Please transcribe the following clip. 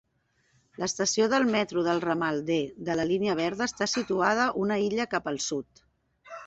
L'estació del metro del ramal "D" de la línia verda està situada una illa cap al sud.